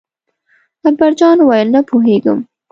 اکبر جان وویل: نه پوهېږم.